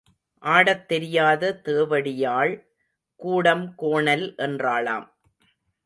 ஆடத் தெரியாத தேவடியாள் கூடம் கோணல் என்றாளாம்.